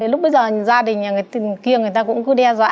lúc bây giờ gia đình kia người ta cũng cứ đe dọa